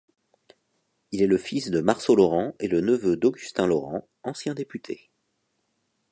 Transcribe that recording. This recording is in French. Il est le fils de Marceau Laurent et le neveu d'Augustin Laurent, anciens députés.